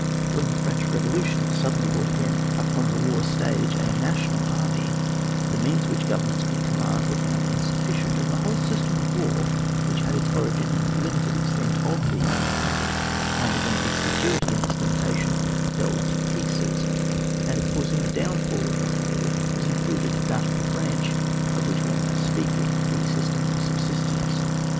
When the French Revolution sud denly brought again upon the war 46 ON WAR. [book v. stage a national army, the means which governments could command were found insufficient, and the whole system of war, which had its origin in the limited extent of these means, and found again its security in this limitation, fell to pieces, and of course in the downfall of the whole was included that of the branch of which we are now speaking, the system of subsistence.